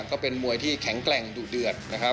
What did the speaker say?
ก็เป็นมวยที่แข็งแกร่งดูเดือด